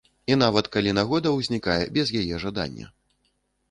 І нават калі нагода ўзнікае без яе жадання.